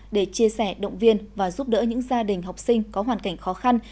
để chia sẻ động viên và giúp đỡ những gia đình học sinh có hoàn cảnh khó khăn